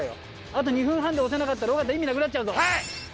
あと２分半で押せなかったら尾形意味なくなっちゃうぞ。